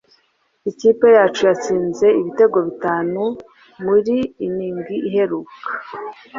Ikipe yacu yatsinze ibitego bitanu muri inning iheruka.